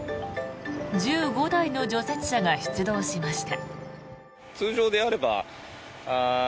１５台の除雪車が出動しました。